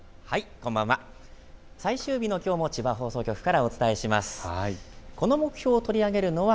こんばんは。